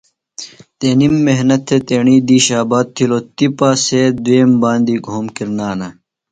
تنِم محنت تھےۡ تیݨی دِیش آباد تِھیلوۡ۔ تِپہ سےۡ دُئیم باندیۡ گھوم کِرنانہ